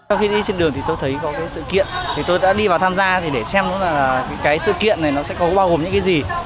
sau khi đi trên đường thì tôi thấy có sự kiện tôi đã đi vào tham gia để xem sự kiện này sẽ có bao gồm những gì